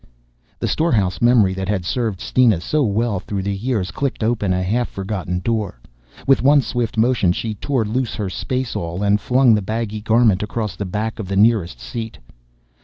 The storehouse memory that had served Steena so well through the years clicked open a half forgotten door. With one swift motion she tore loose her spaceall and flung the baggy garment across the back of the nearest seat.